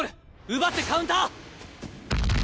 奪ってカウンター！